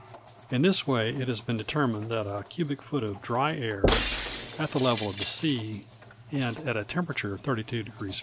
In this way it has been determined that a cubic foot of dry air, at the level of the sea, and at a temperature of 32° F.